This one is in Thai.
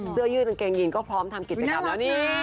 เสื้อยืดกางเกงยีนก็พร้อมทำกิจกรรมแล้วนี่